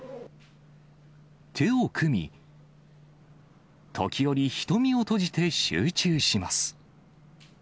手を組み、時折、瞳を閉じて集中します。